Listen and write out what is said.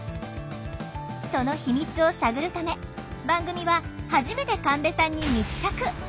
その秘密を探るため番組は初めて神戸さんに密着！